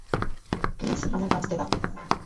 Please আমায় বাঁচতে দাও।